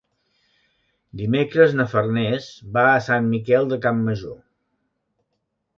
Dimecres na Farners va a Sant Miquel de Campmajor.